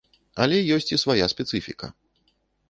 Але ёсць і свая спецыфіка.